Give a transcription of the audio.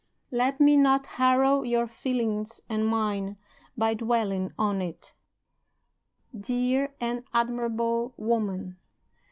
Let me not harrow your feelings (and mine) by dwelling on it. Dear and admirable woman!